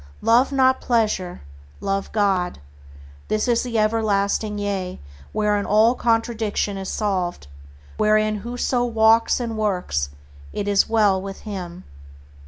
... Love not pleasure, love God. This is the Everlasting Yea, wherein all contradiction is solved; wherein whoso walks and works, it is well with him."